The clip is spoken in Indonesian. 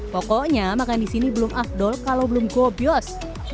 pokoknya makan di sini belum afdol kalau belum gobios